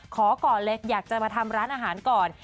ขอก่อนเลยอยากจะมาทำร้านอาหารก่อน